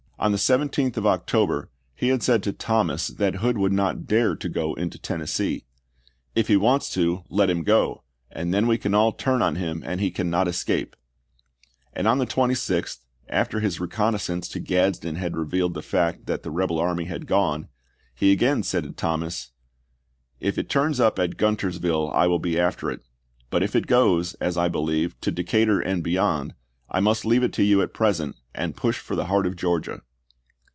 On the 17th of October he had said to Thomas that Hood would not dare to go into Tennessee. If he wants to, " let him go ; and then we can all turn on him and he cannot escape "; and on the 26th, after his reconnaissance to Gadsden had revealed the fact that the rebel army had gone, he again said to Thomas, " If it turns up at Guntersville I will be after it ; but if it goes, as I believe, to Decatur and beyond, I must leave it to you at present, and push for the heart of Georgia."